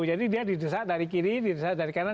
jadi dia didesak dari kiri didesak dari kanan